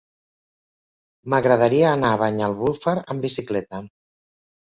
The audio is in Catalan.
M'agradaria anar a Banyalbufar amb bicicleta.